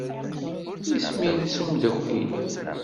Isem-nnes umeddakel-nnem?